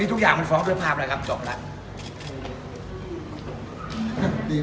พี่วันค่ะถ้าเกิดเจอครับต่อไปในสภาอีกหลายหลายรอบจะยังไงคะ